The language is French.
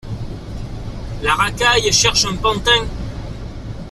La racaille cherche un pantin.